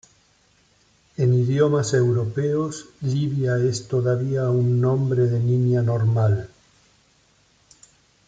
En idiomas europeos, Livia es todavía un nombre de niña normal.